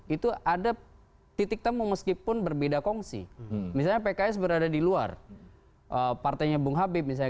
itu ada titik temu meskipun berbeda kongsi misalnya pks berada di luar partainya bung habib misalnya